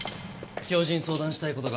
教授に相談したい事が。